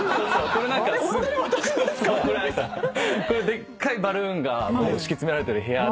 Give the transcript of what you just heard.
でっかいバルーンが敷き詰められてる部屋で。